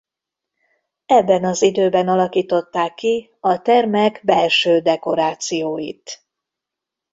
Ebben az időben alakították ki a termek belső dekorációit.